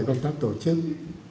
công tác tổ chức